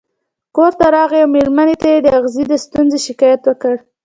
کور ته راغی او مېرمنې ته یې د اغزي له ستونزې شکایت وکړ.